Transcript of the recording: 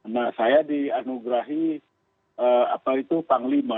nah saya dianugerahi panglima